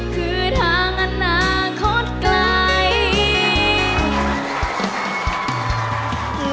คือทางอนาคตไกล